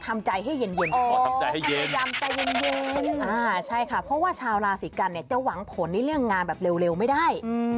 มันจะร้อนหนักนะครับหมอไก่